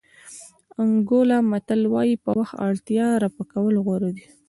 انګولا متل وایي په وخت اړتیا رفع کول غوره دي.